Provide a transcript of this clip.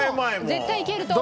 絶対いけると思う。